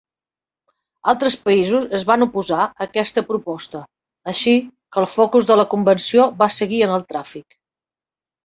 Altres països es van oposar a aquesta proposta, així que el focus de la convenció va seguir en el tràfic.